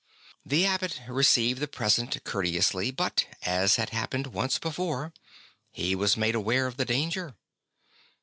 The Abbot received the present courteously, but, as had happened once before, he was made aware of the danger.